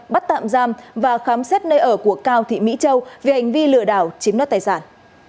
bắt tạm giam và khám xét nơi ở của cao thị mỹ châu về hành vi lừa đảo chiếm đoạt tài sản